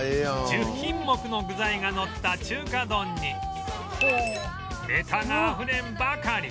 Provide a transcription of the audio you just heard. １０品目の具材がのった中華丼にネタがあふれんばかり！